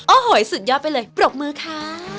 โอ้โหสุดยอดไปเลยปรบมือค่ะ